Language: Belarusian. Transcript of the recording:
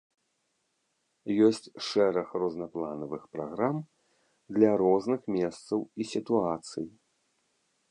Ёсць шэраг рознапланавых праграм для розных месцаў і сітуацый.